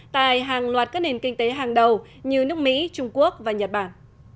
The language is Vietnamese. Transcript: tại hàng loạt các nền kinh tế hàng đầu như nước mỹ trung quốc và nhật bản